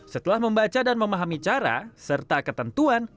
setelah membaca dan memahami cara serta ketentuan